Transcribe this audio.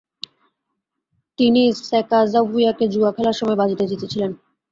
তিনি স্যাকাজাউইয়াকে জুয়া খেলার সময় বাজিতে জিতেছিলেন।